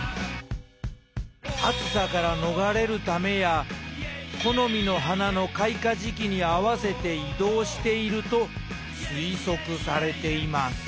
暑さから逃れるためや好みの花の開花時期に合わせて移動していると推測されています